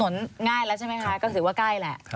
ง่ายแล้วใช่ไหมคะก็ถือว่าใกล้แหละ